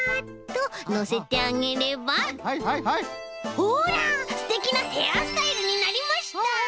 ほらすてきなヘアスタイルになりました！